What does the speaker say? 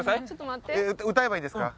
歌えばいいですか？